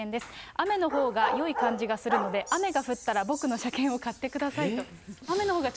雨のほうがよい感じがするので、雨が降ったら僕の車券を買ってくださいと。